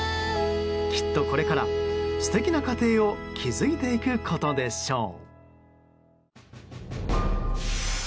きっとこれから素敵な家庭を築いていくことでしょう。